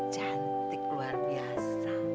cantik luar biasa